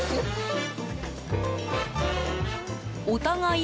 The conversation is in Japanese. お互い